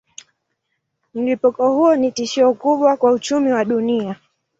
Mlipuko huo ni tishio kubwa kwa uchumi wa dunia.